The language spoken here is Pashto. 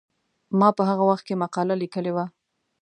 ما په هغه وخت کې مقاله لیکلې وه.